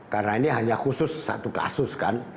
karena ini hanya khusus satu kasus kan